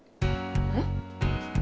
えっ？